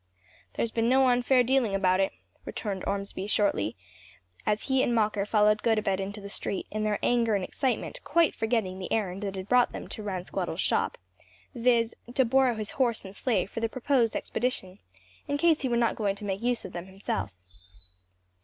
"There has been no unfair dealing about it," retorted Ormsby, shortly, as he and Mocker followed Gotobed into the street; in their anger and excitement quite forgetting the errand that had brought them to Ransquattle's shop, viz., to borrow his horse and sleigh for the proposed expedition, in case he were not going to make use of them himself.